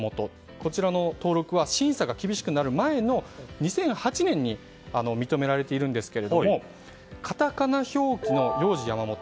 こちらの登録は審査が厳しくなる前の２００８年に認められているんですがカタカナ表記のヨウジヤマモト